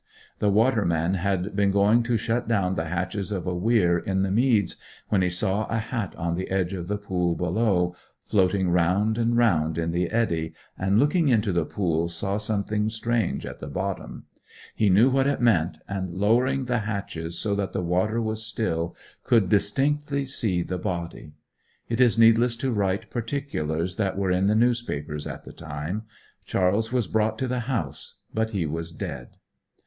The waterman had been going to shut down the hatches of a weir in the meads when he saw a hat on the edge of the pool below, floating round and round in the eddy, and looking into the pool saw something strange at the bottom. He knew what it meant, and lowering the hatches so that the water was still, could distinctly see the body. It is needless to write particulars that were in the newspapers at the time. Charles was brought to the house, but he was dead.